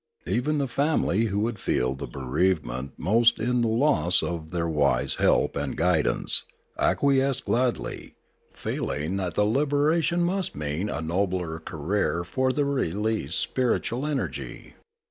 Even the family, who would feel the bereavement most in the loss of their wise help and guidance, acquiesced gladly, feeling that the liberation must mean a nobler career for the released spiritual energy.